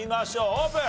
オープン！